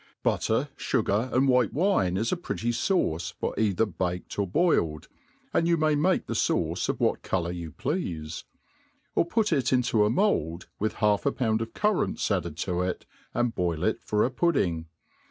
Butter^ Aigar, and white wine is a pretty failnr for either baked or boiled^ and you may make the fauce of what colour you pleafe ; or put it into a mould, with half a j>ound of currants added to it ; and boil it for a pudding.